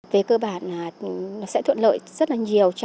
về cơ bản là nó sẽ thuận lợi rất là nhiều